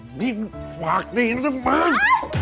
จีบปากดีนะวะมึง